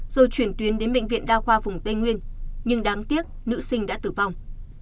rồi chuyển tuyến đến bệnh viện đa khoa vùng tây nguyên nhưng đáng tiếc nữ sinh đã tử vong